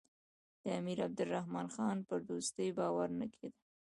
د امیر عبدالرحمن خان پر دوستۍ باور نه کېده.